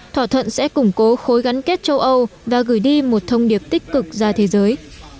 thỏa thuận sẽ củng cố khối gắn kết châu âu và gửi đi một thông điệp tích cực ra thế giới